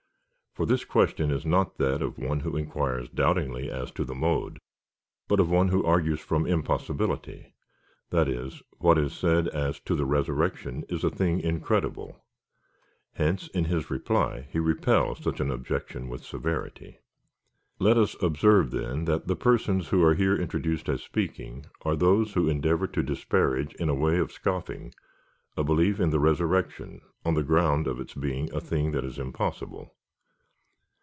For this question is not that of one who inquires doubtingly as to the mode, but of one who argues from impossibility — that is, what is said as to the resurrection is a thing incredible. Hence in his reply he repels such an objection w4tli severity. Let us observe, then, that the persons who are here introduced as speaking, are those who endeavour to disparage, in a way of scoffing, a belief in the resurrection, on the ground of its being a thing that is impossible.